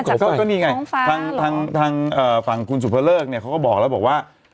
ก็มีไงทางฟังคุณสุพระเลิกก็บอกแล้วว่า